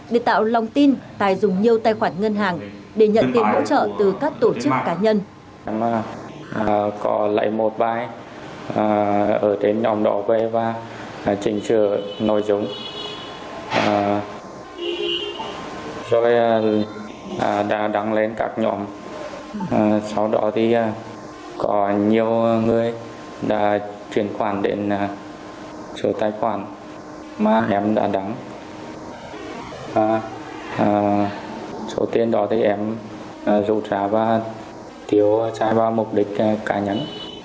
để tạo lòng tin tài dùng nhiều tài khoản ngân hàng để nhận tiền bỗ trợ từ các tổ chức cá nhân